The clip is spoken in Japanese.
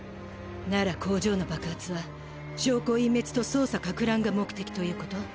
なら工場の爆発は証拠隠滅と捜査かくらんが目的ということ？